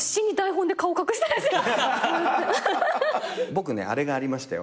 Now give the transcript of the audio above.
僕ねあれがありましたよ。